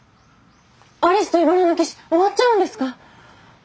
「アリスといばらの騎士」終わっちゃうんですか？